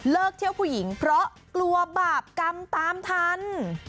เที่ยวผู้หญิงเพราะกลัวบาปกรรมตามทัน